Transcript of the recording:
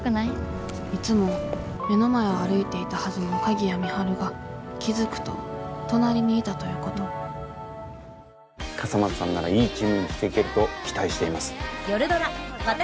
いつも目の前を歩いていたはずの鍵谷美晴が気付くと隣にいたということ笠松さんならいいチームにしていけると期待しています。